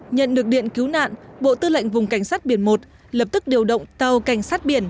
nhận được điện cứu nạn bộ tư lệnh vùng cảnh sát biển một lập tức điều động tàu cảnh sát biển hai nghìn sáu